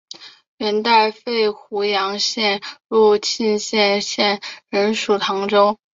元代废湖阳县入泌阳县仍属唐州。